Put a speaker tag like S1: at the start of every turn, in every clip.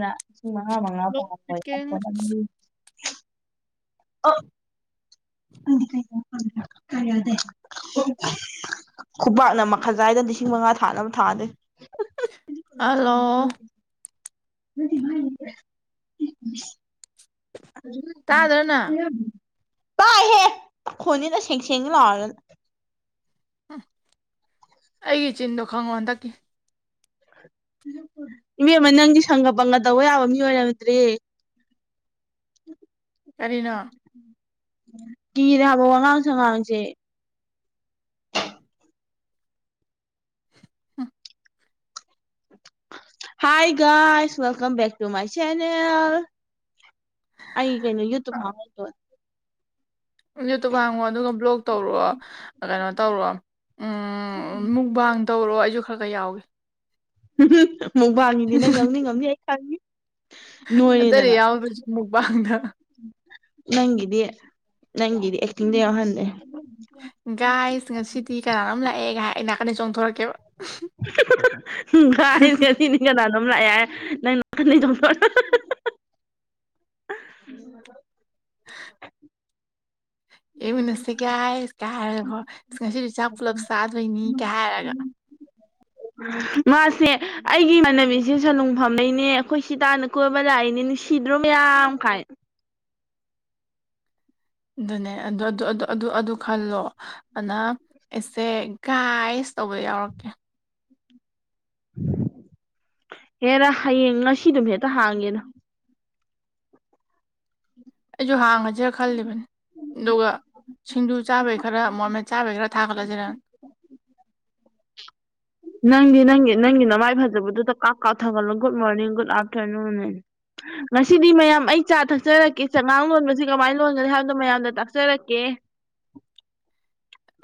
S1: ꯅ ꯂꯤꯁꯤꯡ ꯃꯉꯥ ꯃꯉꯥ ꯐꯥ
S2: ꯍꯜꯂꯣ ꯆꯤꯀꯤꯡ
S1: ꯑ ꯈꯨꯄꯥꯛꯥꯛꯅ ꯃꯈꯜ ꯁ꯭ꯋꯥꯏꯗ ꯂꯤꯁꯤꯡ ꯃꯉꯥ ꯈꯥ ꯃ ꯊꯥꯗ
S2: ꯍꯜꯂꯣ
S1: ꯗꯤ
S2: ꯇꯥꯗ꯭ꯔꯅ
S1: ꯎꯝ ꯀ ꯍꯦ ꯈꯨꯣꯅꯤꯅ ꯁꯦꯡ ꯁꯦꯡꯒ ꯂ
S2: ꯎꯝ ꯑꯩꯒꯤ ꯆꯤꯟꯗꯣ ꯈꯪꯉꯣ ꯍꯟꯗꯛꯀꯤ
S1: ꯏꯕꯦꯝꯃ ꯅꯪꯗꯤ ꯁꯪꯒ ꯄꯪꯒ ꯇꯧꯕ ꯌꯥꯕ ꯃꯤ ꯑꯣꯏꯔꯝꯗ꯭ꯔꯦꯌꯦ
S2: ꯀꯔꯤꯅꯣ
S1: ꯀꯤꯔꯦ ꯍꯥꯏꯕ ꯋꯥꯉꯥꯡ ꯁꯉꯥꯡꯁꯦ
S2: ꯍꯪ
S1: ꯍ ꯥꯏ ꯒꯥꯏꯁ welcome back to my channel ꯑꯩ ꯀꯩꯅꯣ ꯌꯨꯇꯨꯞ ꯍꯥꯄꯝꯒꯤꯔꯣꯏ
S2: ꯌꯨꯇꯨꯞ ꯍꯥꯡꯉꯣ ꯑꯗꯨꯒ ꯕ꯭ꯂꯣꯛ ꯇꯧꯔꯣ ꯀꯩꯅꯣ ꯇꯧꯔꯣ ꯎꯝ ꯃꯨꯛꯕꯥꯡ ꯇꯧꯔꯣ ꯑꯩꯁꯨ ꯈꯔ ꯈꯔ ꯌꯥꯎꯒꯦ
S1: ꯃꯨꯛꯕꯥꯡꯒꯤꯗꯤ ꯅꯪ ꯌꯥꯎꯅꯤꯉꯝꯅꯤ ꯑꯩ ꯈꯪꯉꯤ
S2: ꯑꯇꯩꯗꯤ
S1: ꯅꯣꯏꯔꯦꯗꯅ
S2: ꯌꯥꯎꯗ꯭ꯔꯁꯨ ꯃꯨꯛꯕꯥꯡꯗ
S1: ꯅꯪꯒꯤꯗꯤ ꯅꯪꯒꯤꯗꯤ ꯑꯦꯛꯇꯤꯡꯗ ꯌꯥꯎꯍꯟꯒꯦ
S2: ꯒꯥꯏ ꯉꯁꯤꯗꯤ ꯀꯅꯥꯅꯣꯝ ꯂꯥꯛꯑꯦꯒ ꯍꯥꯏ ꯑꯩ ꯅꯥꯀꯟꯗ ꯆꯣꯡꯊꯣꯔꯛꯀꯦꯕ
S1: ꯒꯥꯏꯁ ꯉꯥꯁꯤꯅꯤ ꯀꯅꯥꯟ ꯅꯣꯝ ꯂꯥꯛꯑꯦ ꯍꯥꯏ ꯅꯪ ꯅꯥꯀꯟꯗꯩꯩ ꯆꯣꯡꯊꯣꯛ
S2: [inaudible] ꯑꯦ ꯎꯟꯅꯁꯦ ꯒꯥꯏꯁ ꯀ ꯍꯥꯏꯔꯒꯀꯣ ꯉꯁꯤꯗꯤ ꯆꯥꯛ ꯄꯨꯜꯂꯞ ꯆꯥꯗꯣꯏꯅꯤ ꯀꯥꯏ ꯍꯥꯏꯔꯒ [inaudible]
S1: ꯃꯥꯁꯦ ꯑꯩꯒꯤ ꯏꯃꯥꯟꯅꯕꯤꯁꯦ ꯁꯨꯅꯨꯡꯐꯝꯗꯩꯅꯦ ꯑꯩꯈꯣꯏ ꯁꯤ ꯇꯥꯟꯅ ꯀꯣꯏꯕ ꯂꯥꯛꯏꯅꯦ ꯅꯨꯡꯁꯤ ꯁꯤꯗ꯭ꯔꯣ ꯃꯌꯥꯝ ꯀꯥꯏꯅꯥ
S2: ꯑꯗꯨꯅꯦ ꯑꯗꯨ ꯑꯗꯨ ꯑꯗꯨ ꯑꯗꯨ ꯈꯜꯂꯣ ꯑꯅ ꯑꯩꯁꯦ ꯒꯥꯏꯁ ꯇꯧꯕ ꯌꯥꯎꯔꯛꯀꯦ
S1: ꯍꯦꯔꯥ ꯍꯌꯦꯡ ꯉꯁꯤꯗꯨꯝ ꯍꯦꯛꯇ ꯍꯥꯡꯒꯦꯗ
S2: ꯑꯩꯁꯨ ꯍꯥꯡꯉꯁꯤꯔ ꯈꯜꯂꯤꯕꯅꯤ ꯑꯗꯨꯒ ꯁꯤꯡꯖꯨ ꯆꯥꯕꯒꯤ ꯈꯔ ꯃꯣꯔꯃꯦꯠ ꯆꯥꯕꯩ ꯈꯔ ꯊꯥꯒꯠꯂꯁꯤꯔꯅ [inaudible]
S1: ꯅꯪꯗꯤ ꯅꯪꯒꯤ ꯅꯪꯒꯤ ꯅꯃꯥꯏ ꯐꯖꯕꯗꯨꯗ ꯀꯥ ꯀꯥꯞ ꯊꯒꯠꯂꯣ ꯒꯨꯗ ꯃꯣꯔꯅꯤꯡ ꯒꯨꯗ ꯑꯥꯐꯇꯔꯅꯨꯟ ꯉꯁꯤꯗꯤ ꯃꯌꯥꯝ ꯑꯩ ꯆꯥ ꯊꯛꯆꯔꯛꯀꯦ ꯆꯉꯥꯡ ꯂꯣꯟꯕꯁꯤ ꯀꯃꯥꯏꯅ ꯂꯣꯟꯒꯅꯤ ꯍꯥꯏꯕꯗꯣ ꯃꯌꯥꯝꯗ ꯇꯥꯛꯆꯔꯛꯀꯦ ꯑꯦ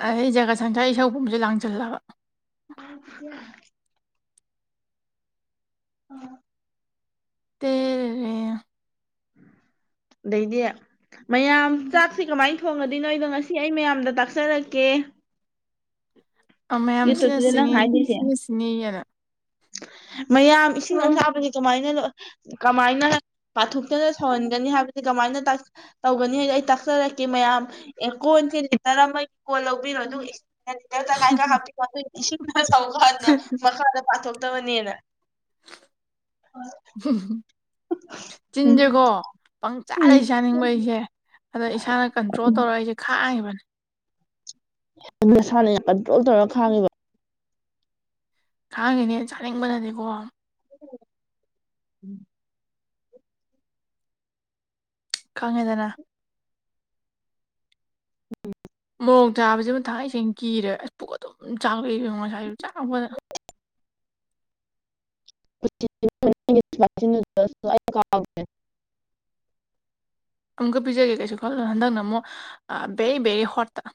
S2: ꯑꯩ ꯖꯒꯠ ꯁꯪꯁꯥꯔ ꯏꯁꯧ ꯄꯨꯝꯕꯁꯦ ꯂꯥꯡꯁꯤꯜꯂꯕ
S1: [inaudible] ꯎꯝ
S2: ꯇꯦꯔꯦ
S1: ꯑꯗꯩꯗꯤ ꯃꯌꯥꯝ ꯆꯥꯛꯁꯦ ꯀꯃꯥꯏꯅ ꯊꯣꯡꯉꯗꯤꯏꯅꯣ ꯉꯁꯤ ꯑꯩ ꯃꯌꯥꯝꯗ ꯇꯥꯛꯆꯔꯛꯀꯦ ꯑꯦ
S2: ꯃꯌꯥꯝꯁꯤꯅ
S1: ꯅꯪ
S2: ꯁꯤꯅꯤ
S1: ꯍꯥꯏꯗꯣꯏꯁꯦ
S2: ꯁꯤꯅ ꯁꯤꯅꯤꯑꯅ
S1: ꯃꯌꯥꯝ ꯏꯁꯤꯡ ꯑꯁꯥꯕꯗꯤ ꯀꯃꯥꯏꯅ ꯀꯃꯥꯏꯅ ꯄꯥꯊꯣꯛꯇꯅ ꯁꯧꯍꯟꯒꯅꯤ ꯍꯥꯏꯕꯗꯤ ꯀꯃꯥꯏꯅ ꯇꯥꯛ ꯇꯧꯒꯅꯤ ꯍꯥꯏꯗꯣ ꯑꯩ ꯇꯥꯛꯆꯔꯛꯀꯦ ꯃꯌꯥꯝ ꯑꯦ ꯀꯣꯟꯁꯦ ꯂꯤꯇꯔ ꯑꯃꯩ ꯀꯣꯟ ꯂꯧꯕꯤꯔꯅꯨ ꯏꯁꯤꯡ ꯉꯥꯏꯀ ꯍꯥꯞꯄꯤ ꯁꯧꯀꯅ ꯃꯈꯥꯗ ꯄꯥꯊꯣꯛꯇꯕꯅꯦꯅ
S2: ꯎꯝ ꯆꯤꯟꯗꯦꯀꯣ
S1: ꯎꯝ
S2: ꯄꯪꯆꯥꯗ ꯆꯥꯅꯤꯡꯕ ꯑꯩꯁꯦ ꯑꯗ ꯏꯁꯥꯅ ꯀꯟꯇ꯭ꯔꯣꯜ ꯇꯧꯔ ꯏꯁꯥꯅꯥ ꯈꯥꯡꯉꯤꯕꯅꯤ
S1: ꯑꯗꯨ ꯅꯁꯥꯅ ꯌꯥꯝ ꯀꯟꯇ꯭ꯔꯣꯜ ꯇꯧꯔꯒ ꯈꯥꯡꯉꯤꯕ
S2: ꯈꯥꯡꯉꯤꯅꯦ ꯆꯥꯅꯤꯡꯕꯅꯅꯦꯀꯣ
S1: ꯎꯝ
S2: ꯈꯪꯉꯦꯗꯅ
S1: ꯎꯝ
S2: ꯕꯣꯡ ꯇꯥꯕꯥꯁꯤꯃꯨꯛ ꯊꯥꯉꯩꯁꯦꯡ ꯀꯤꯔꯦ ꯑ ꯄꯨꯛ ꯑꯗꯨꯝ ꯆꯥꯛꯂꯩꯉꯣ ꯉꯁꯥꯏ ꯆꯥꯛꯄꯗ
S1: [inaudible] [unintelligible]
S2: ꯑꯃꯨꯛꯀ ꯄꯤꯖꯒꯦ ꯀꯩꯁꯨ ꯈꯜꯂ ꯍꯟꯗꯛꯅ ꯑꯃꯨꯛ ꯕꯦꯔꯤ ꯕꯦꯔꯤ ꯍꯣꯠꯇ [inaudible]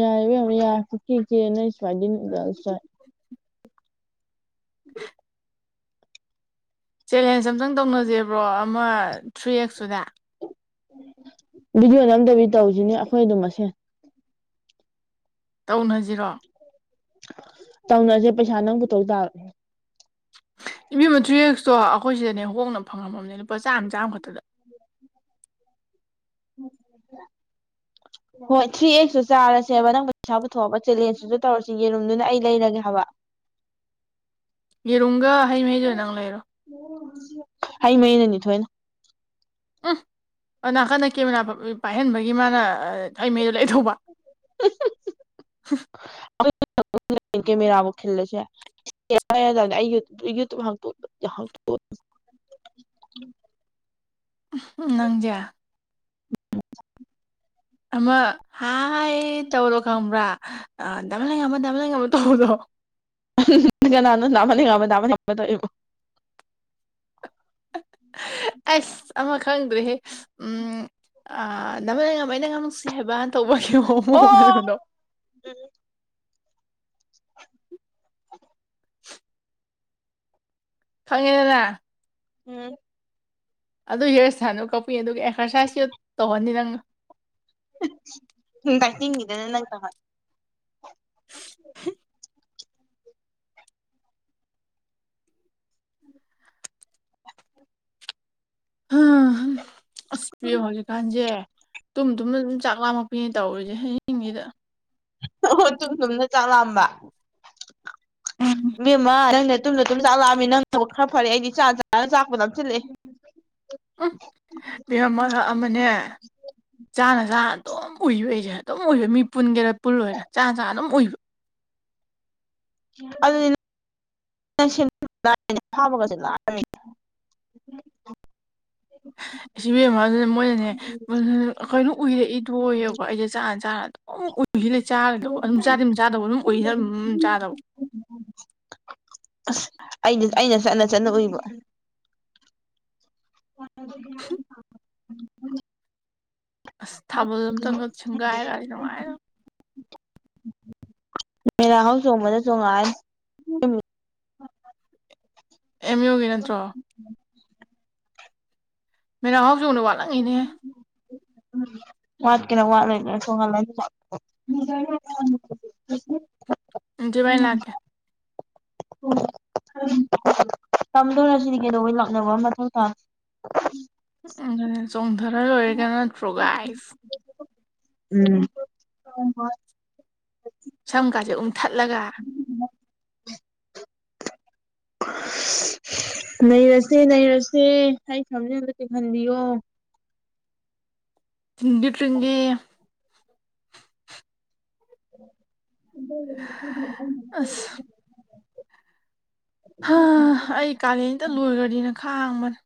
S1: ꯌꯥꯕ ꯌꯥꯅ ꯁꯋꯥꯏꯗꯤꯅ ꯁ ꯎꯝ
S2: ꯆꯦꯂꯦꯟꯖ ꯑꯝꯇꯪ ꯇꯧꯅꯖꯦꯕ꯭ꯔꯣ ꯑꯃ ꯊ꯭ꯔꯤ ꯑꯦꯛꯁꯇꯨꯗ
S1: ꯚꯗꯤꯑꯣ ꯅꯝꯗꯕꯤ ꯇꯧꯁꯤꯅꯦ ꯑꯩꯈꯣꯏ ꯑꯗꯨꯝꯃꯁꯦ
S2: ꯇꯧꯅꯁꯤꯔꯣ
S1: ꯇꯧꯅꯔꯁꯦ ꯄꯩꯁꯥ ꯅꯪꯕꯨ ꯇꯧ ꯇꯥꯕ
S2: ꯅꯨꯄꯤ ꯃꯊ꯭ꯔꯤꯁꯇꯣ ꯑꯩꯈꯣꯏ ꯁꯤꯗꯅꯦ ꯍꯣꯡꯅ ꯐꯪꯉꯝꯃꯝꯅꯦ ꯂꯨꯄꯥ ꯆꯥꯝꯃ ꯆꯥꯃꯈꯛꯇꯗ
S1: [unintelligible]
S2: [unintelligible]
S1: ꯍꯣꯏ ꯊ꯭ꯔꯤ ꯑꯦꯛꯁꯨ ꯆꯥꯔꯁꯦꯕ ꯅꯪ ꯄꯩꯁꯥ ꯄꯨꯊꯣꯛꯑꯕ ꯆꯦꯂꯦꯟꯖꯇꯨꯁꯨ ꯇꯧꯔꯁꯤ ꯌꯦꯔꯨꯝꯗꯨꯅ ꯑꯩ ꯂꯩꯔꯒꯦ ꯍꯥꯏꯕ
S2: ꯃꯤꯔꯨꯒꯥ ꯍꯥꯏ ꯃꯤꯖ ꯅꯪꯂꯔꯣ
S1: ꯍꯩ ꯃꯩꯅꯅꯤ ꯊꯣꯏꯅ
S2: ꯎꯝ ꯅꯥꯀꯟꯗ ꯀꯦꯃꯦꯥ ꯄꯥꯏꯍꯟꯕꯒꯤ ꯃꯥꯅ ꯊꯥꯏꯃꯩ ꯂꯩꯊꯧꯕ
S1: ꯃꯦꯕꯨ ꯈꯜꯂ ꯌꯥ ꯌꯥ ꯌꯨꯇ ꯍꯄ ꯍ
S2: ꯎ ꯅꯪꯖꯦ ꯑꯃ ꯍꯥꯏ ꯇꯧꯔꯣ ꯈꯪꯕ꯭ꯔꯥ ꯗꯕꯜ ꯍꯪꯉꯝꯃ ꯗꯕꯜ ꯂꯪꯉꯝ ꯑꯃ ꯇꯧꯕꯗꯣ [unintelligible]
S1: ꯅ ꯅꯃꯅꯤ ꯉꯕꯅꯤꯗ
S2: ꯑꯁ ꯑꯃ ꯈꯪꯗ꯭ꯔꯦꯍꯦ ꯎꯝ ꯅꯃꯅꯃ ꯑꯩꯅ ꯉꯥꯡ ꯅꯨꯡꯁꯤ ꯍꯥꯏꯕ ꯇꯧꯕꯒꯤ ꯍꯣꯨ
S1: ꯑꯣ
S2: ꯍꯣꯡꯅꯕꯗꯣ
S1: [unintelligible]
S2: ꯐꯪꯉꯤꯗꯅ
S1: ꯎꯝ
S2: ꯑꯗꯨ ꯍꯤꯌꯔ ꯏꯁꯊꯥꯟꯗꯨ ꯀꯛꯄꯨ ꯑꯗꯨꯒ ꯑꯦꯛꯁꯔꯁꯥꯏꯁꯁꯨ ꯇꯧꯍꯅꯤ ꯅꯪ
S1: ꯇꯥꯏ ꯍꯤꯡꯗ ꯅ ꯅꯪ ꯇ
S2: ꯑꯁ ꯄꯤꯌꯣ ꯍꯧꯖꯤꯛꯀꯥꯟꯁꯦ ꯇꯨꯝ ꯇꯨꯝꯅ ꯑꯗꯨꯝ ꯆꯥꯛ ꯂꯥꯝꯃꯛꯄꯤꯅꯦ ꯇꯧꯔꯤꯁꯦ ꯍꯌꯦꯡꯁꯤꯗ
S1: ꯑꯣ ꯇꯨꯝ ꯊꯨꯝꯅ ꯆꯥꯛ ꯂꯥꯑꯝꯕ ꯃꯤꯃ ꯅꯪ ꯑꯗꯨꯨꯝꯅ ꯑꯗꯨꯨꯝ ꯆꯥꯛ ꯂꯥꯛꯑꯃꯤ ꯅꯪ ꯈꯔ ꯐꯔꯦ ꯑꯩꯗꯤ ꯆ ꯆꯥꯒ ꯆꯥꯛꯄꯗ ꯆꯤꯜꯂꯦ
S2: ꯎ ꯍ ꯃꯔꯔ ꯃꯅꯦ ꯆꯥꯅ ꯆꯥ ꯑꯗꯨꯝ ꯎꯏꯕ ꯑꯩꯁꯦ ꯑꯗꯨꯝ ꯎꯏꯕ ꯃꯤ ꯄꯨꯟꯒꯦꯔꯥ ꯄꯨꯜꯂꯣꯏꯔꯥ ꯆꯥ ꯆꯥ ꯑꯗꯨꯝ ꯎꯏꯕ
S1: ꯑꯗꯨ ꯊꯕꯒ
S2: ꯑ ꯁꯤꯕꯦꯝꯃ ꯑꯗꯨꯅ ꯃꯣꯏꯅꯅꯦ ꯑꯩꯈꯣꯏꯅ ꯎꯏꯔꯛꯏꯗꯣꯏꯌꯦꯕꯀꯣ ꯑꯩꯁꯦ ꯆꯥꯛꯔꯥꯟ ꯆꯥꯔꯗꯣ ꯑ ꯎꯈꯤꯂ ꯆꯥꯒꯗꯧꯕ ꯑꯗꯨꯝ ꯆꯥꯗꯤ ꯑꯗꯨꯝ ꯆꯥꯗꯕ ꯑꯗꯨꯝ ꯑꯣꯏ ꯑꯗꯨꯝ ꯆꯥꯗꯕ
S1: [inaudible] ꯑꯁ ꯑꯩꯅ ꯆꯠꯅ ꯆꯠꯅ ꯎꯏꯕ ꯑꯗꯨ
S2: ꯑꯁ ꯊꯥꯕꯜ ꯑꯝꯇꯪꯒꯛ ꯁꯨꯝꯒꯥꯏꯔꯗꯤ ꯅꯨꯡꯉꯥꯏꯔ [inaudible]
S1: ꯃꯦꯔꯥ ꯍꯧꯥꯎ ꯆꯣꯡꯕꯗ ꯆꯣꯡꯉꯥꯑ
S2: ꯑꯦꯝ ꯌꯨꯒꯤ ꯅꯠꯇ꯭ꯔꯣ ꯃꯦꯔ ꯍꯧꯥꯎꯖꯧꯅ ꯋꯥꯠꯂꯥꯡ ꯏꯅꯦ
S1: ꯋꯥꯠ ꯀꯦꯅ ꯋꯥꯠꯂꯅ ꯁꯣꯡꯉ ꯃꯤꯖ
S2: ꯖꯤꯃꯥꯏꯅ ꯀꯦ
S1: ꯍ ꯇꯝꯗꯧꯔꯁꯤꯗꯤ ꯀꯩꯗꯧꯕꯩ ꯂꯥꯛꯅꯕ ꯃꯇꯨꯡ ꯇꯥ
S2: ꯆꯣꯡꯊꯔ ꯂꯣꯏꯔꯒ ꯅꯠꯇ꯭ꯔꯣꯒꯥꯏꯁ
S1: ꯎꯝ
S2: ꯁꯝꯀꯥꯁꯦ ꯎꯝꯊꯠꯂꯒ [inaudible]
S1: ꯂꯩꯔꯁꯦ ꯂꯩꯔꯁꯦ ꯑꯩ ꯐꯝꯖꯗ ꯆꯤꯡꯍꯟꯕꯤꯌꯣ
S2: ꯊꯤꯟꯗꯨ ꯇꯒꯦ
S1: ꯏꯗꯕ
S2: ꯑꯁ ꯑꯩ ꯀꯥꯂꯦꯟꯝꯇ ꯂꯣꯏꯈ꯭ꯔꯗꯤꯅ ꯈ ꯍꯥꯡꯕꯅꯦ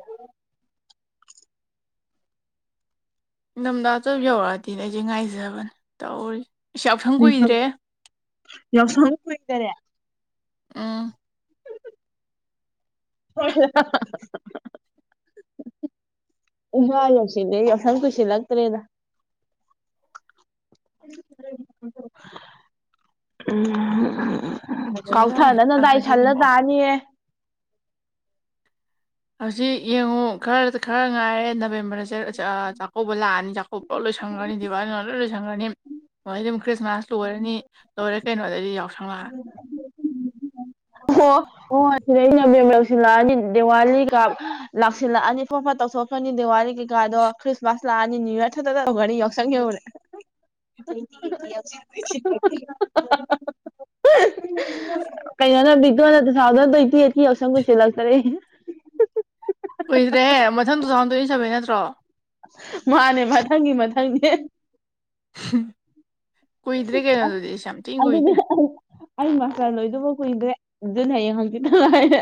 S2: ꯎ ꯅꯤꯡꯊꯝꯊ ꯑ ꯆ ꯌꯧꯔꯛꯑꯗꯤꯅꯦ ꯑꯩꯁꯦ ꯉꯥꯏꯖꯕꯅꯦ ꯇꯧꯔꯤ ꯏꯁ ꯌꯥꯎꯁꯪ ꯀꯨꯏꯗ꯭ꯔꯦ
S1: ꯌꯥꯎꯁꯪ ꯀꯨꯏꯗꯔꯦ
S2: ꯑꯥ
S1: ꯍ ꯌꯥ ꯁꯤ ꯂꯩ ꯁ ꯈꯨ ꯁꯤꯂꯒ ꯇꯔꯦꯗ ꯎꯝ
S2: ꯖꯨꯂꯥꯏ
S1: ꯀꯥꯎꯊꯅ
S2: ꯑꯥꯒꯁ
S1: ꯅꯪꯗꯥꯏꯁꯜꯂ
S2: ꯁꯦꯞꯇꯦꯝꯕꯔ
S1: ꯇꯥꯅꯤꯌꯦ
S2: ꯍꯧꯖꯤꯛ ꯌꯦꯡꯉꯨ ꯈꯔ ꯈꯔ ꯉꯥꯏꯔꯦ ꯅꯕꯦꯝꯕꯔ ꯆꯥꯛꯀꯧꯕ ꯂꯥꯛꯑꯅꯤ ꯆꯥꯛꯀꯧꯕ ꯂꯣꯏꯁꯪꯈ꯭ꯔꯅꯤꯕ ꯑꯗꯨ ꯂꯣꯏꯁꯪꯈꯅꯤ ꯑꯗꯨꯩ ꯑꯗꯨꯝ ꯈ꯭ꯔꯤꯁꯃꯥꯁ ꯂꯣꯏꯔꯅꯤ ꯂꯣꯏꯔ ꯀꯩꯅꯣ ꯑꯗꯩꯗꯤ ꯌꯥꯎꯁꯪꯪꯂꯛꯑꯅꯤ
S1: ꯑꯣ ꯑꯣ ꯁꯤꯗ ꯑꯩꯅꯕꯦꯝ ꯂꯧꯁꯤꯜꯂꯛꯑꯅꯤ ꯗꯤꯋꯥꯂꯤ ꯀꯥꯞ ꯂꯥꯛꯁꯤꯜꯂꯛꯑꯅꯤ ꯑꯐꯣꯞ ꯁꯣꯛ ꯐꯅꯤ ꯗꯤꯋꯥꯂꯤ ꯀꯩꯀꯥꯗꯣ ꯈ꯭ꯔꯤꯁꯃꯥꯁ ꯂꯥꯛꯑꯅꯤ ꯅꯅꯤꯌꯨ ꯌꯌꯥꯔ ꯊꯛꯇ ꯇꯧꯈꯔꯅꯤ ꯌꯥꯎꯁꯪ ꯌꯧꯔꯦ [unintelligible] ꯀꯩꯅ ꯕꯤ ꯇꯨ ꯊꯥꯎꯖꯟ ꯇ꯭ꯋꯦꯟꯇꯤ ꯑꯩꯠꯀꯤ ꯌꯥꯎꯁꯪ ꯀꯣꯏꯁꯤꯜꯂꯛꯇꯔꯦ
S2: ꯀꯨꯏꯗ꯭ꯔꯦꯍꯦ ꯃꯊꯪ ꯇꯨ ꯊꯥꯎꯖꯟ ꯇꯣꯏꯟ ꯁꯕꯦ ꯅꯠꯇ꯭ꯔꯣ
S1: ꯃꯥꯅꯦ ꯃꯊꯪꯒꯤ ꯃꯊꯪꯒꯤ
S2: ꯍꯝ
S1: ꯑꯗꯨꯗꯤ
S2: ꯀꯨꯏꯗ꯭ꯔꯦ
S1: ꯑꯩ ꯃꯥꯁꯇꯔ ꯂꯣꯏꯗꯕ ꯀꯨꯏꯗ꯭ꯔꯦ ꯑꯗꯨꯌꯦ ꯍꯧꯪꯖꯤ ꯂꯔ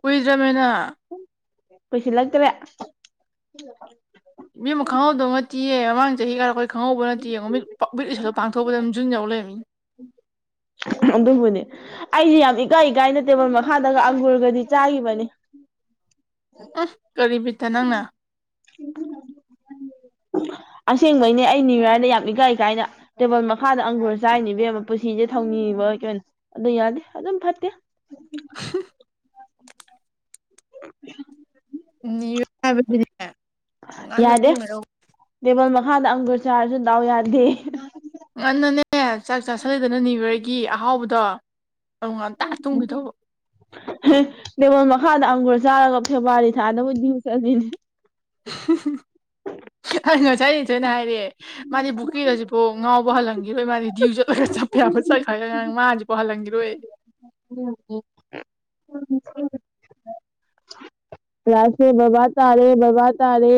S2: ꯀꯨꯏꯗ꯭ꯔꯃꯦꯅꯥ
S1: ꯄꯩꯁꯥ ꯂꯥꯛꯇ꯭ꯔꯦ
S2: ꯃꯤ ꯑꯃ ꯈꯪꯍꯧꯗꯧ ꯅꯠꯇꯦꯌꯦ ꯃꯃꯥꯡ ꯆꯍꯤ ꯀꯥꯔ ꯑꯩꯈꯣꯏ ꯈꯪꯍꯧꯕ ꯅꯠꯇꯦꯌꯦ ꯃꯃꯤꯠ ꯄꯠꯗꯣ ꯄꯥꯡꯊꯣꯛꯄꯗ ꯑꯗꯨꯝ ꯖꯨꯟ ꯌꯥꯎ ꯂꯩꯕꯃꯤꯅꯤ
S1: ꯑꯗꯨꯕꯨꯅꯦ ꯑꯩꯁꯦ ꯌꯥꯝ ꯏꯀꯥꯏꯀꯥꯏꯅ ꯇꯦꯕꯜ ꯃꯈꯥꯗꯒ ꯑꯪꯒꯨꯔꯒꯗꯤ ꯆꯥꯈꯤꯕꯅꯤ
S2: [inaudible] ꯎ ꯀꯔꯤ ꯄꯇ ꯅꯪꯅ
S1: ꯑꯁꯦꯡꯕꯩꯅꯦ ꯑꯩ ꯅꯤꯔꯥꯏꯗ ꯌꯥꯝ ꯏꯀꯥꯏꯀꯥꯏꯅ ꯇꯦꯕꯜ ꯃꯈꯥꯗ ꯑꯪꯒꯨꯔ ꯆꯥꯏꯅꯤꯕꯦꯝ ꯑꯃꯕ ꯄꯨꯟꯁꯤꯁꯦ ꯊꯧꯅꯤ ꯑꯗꯨ ꯌꯥꯗꯦ ꯑꯗꯨꯝ ꯐꯠꯇꯦ
S2: [unintelligible]
S1: [unintelligible]
S2: ꯅꯅꯤꯌꯨ ꯌꯔ ꯍꯥꯏꯕꯁꯤꯗꯤ ꯉꯥꯟꯅ ꯑꯗꯨꯝꯉꯔꯧ
S1: ꯍꯥꯟꯗ ꯑꯪꯒꯨꯔ ꯆꯥꯔꯁꯨꯗꯎ ꯌꯥꯗꯦ
S2: ꯉꯟꯅꯅꯦ ꯆꯥꯛ ꯆꯥꯥꯁꯂꯗꯅ ꯅꯤꯕꯔꯒꯤ ꯑꯍꯥꯎꯕꯗꯣ ꯑꯗꯨ ꯉꯟꯇꯥ ꯇꯨꯝꯒꯦ ꯇꯧꯕ
S1: ꯗꯉꯣꯟ ꯃꯈꯥꯗ ꯃꯪꯒꯜ ꯆꯥꯔꯒ ꯐꯦꯕꯋꯥꯔꯤ ꯊꯥꯗꯅꯕꯗꯤꯁꯅꯤꯅꯦ
S2: ꯉꯁꯥꯏꯅꯦ ꯁꯣꯏꯅ ꯍꯥꯏꯔꯑꯦ ꯃꯥꯗꯤ ꯕꯨꯛꯀꯤꯔꯁꯤꯕꯣ ꯉꯥꯎꯕ ꯄꯣꯍꯜꯍꯟꯈꯤꯔꯣꯏ ꯃꯥꯗꯤ ꯭ꯌꯨ ꯆꯠꯂꯒ ꯆꯠꯄ ꯌꯥ ꯑꯃ ꯆꯠꯈ꯭ꯔꯒ ꯃꯥꯁꯦ ꯄꯣꯍꯜꯍꯟꯈꯤꯔꯣꯏ
S1: ꯎꯝ ꯎ ꯂꯥꯁꯦ ꯕꯕꯥ ꯇꯥꯔꯦ ꯕꯕꯥ ꯇꯥꯔꯦ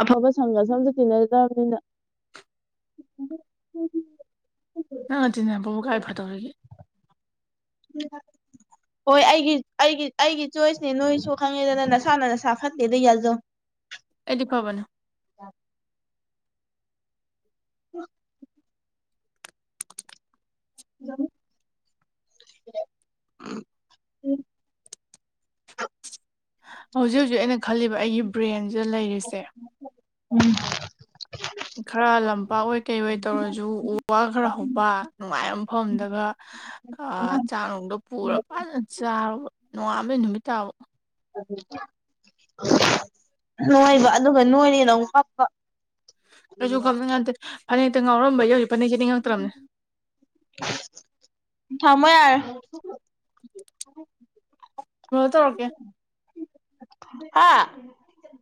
S1: ꯑꯐꯕ ꯁꯪꯒꯁ ꯑꯇ ꯇꯤꯟꯅꯔꯛꯇ꯭ꯔꯕꯅꯤꯅ
S2: [unintelligible] ꯅꯪꯅ ꯇꯤꯟꯅꯕꯕꯨ ꯀꯥꯏ ꯐꯗꯧꯔꯤꯒꯦ
S1: ꯎ ꯍꯣꯏ ꯑꯩꯒꯤ ꯑꯩꯒꯤ ꯑꯩꯒꯤ ꯆꯣꯏꯁꯅꯦ ꯅꯣꯏꯁꯨ ꯈꯪꯉꯦꯗꯅ ꯅꯁꯥꯅ ꯅꯁꯥ ꯐꯠꯇꯦꯗ ꯌꯥꯖꯧ
S2: ꯑꯦꯗꯤ ꯐꯕꯅ
S1: ꯑ ꯎꯝ
S2: ꯍꯧꯖꯤꯛ ꯍꯧꯖꯤꯛ ꯑꯩꯅ ꯈꯜꯂꯤꯕ ꯑꯩꯒꯤ ꯕ꯭ꯔꯦꯟꯁꯤꯗ ꯂꯩꯔꯤꯁꯦ
S1: ꯎꯝ
S2: ꯈꯔ ꯂꯝꯄꯥꯛ ꯑꯣꯏ ꯀꯩ ꯑꯣꯏ ꯇꯧꯔꯁꯨ ꯎ ꯋꯥ ꯈꯔ ꯍꯧꯕ ꯅꯨꯡꯉꯥꯏꯕꯐꯝꯗꯒ ꯆꯥꯛꯅꯨꯡꯗꯣ ꯄꯨꯔ ꯐꯖꯅ ꯆꯥꯔꯨꯔꯕ ꯅꯣꯡꯉꯥꯥꯟꯕꯩ ꯅꯨꯃꯤꯠ ꯇꯥꯕ
S1: ꯅꯣꯏꯕ ꯑꯗꯨꯒ ꯅꯣꯏꯅꯦꯗ ꯑꯃꯨ ꯀꯞꯄ
S2: ꯀꯁꯨ ꯈ ꯌꯥꯗ ꯐꯅꯦꯛꯇ ꯉꯥꯎꯔꯝꯕ ꯌꯧꯁꯤ ꯐꯅꯦꯛꯁꯦ ꯅꯤꯡꯉꯛꯇ꯭ꯔꯕꯅꯦ
S1: ꯊꯃꯣꯏꯔ
S2: ꯍ ꯇꯔꯒꯦ
S1: ꯍꯥꯥ